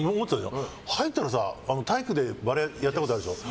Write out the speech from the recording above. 入ったら、体育でバレーやったことあるでしょ。